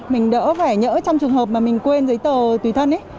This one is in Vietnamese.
mình đỡ phải nhỡ trong trường hợp mà mình quên giấy tờ tùy thân ấy